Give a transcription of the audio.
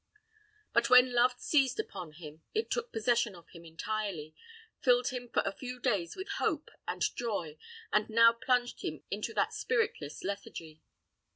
But when love seized upon him, it took possession of him entirely, filled him for a few days with hope and joy, and now plunged him into that spiritless lethargy.